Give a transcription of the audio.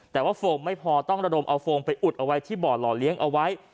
แต่ว่าโฟมไม่พอต้องระดมเอาโฟมไปอุดเอาไว้ที่บ่อหล่อเลี้ยงเอาไว้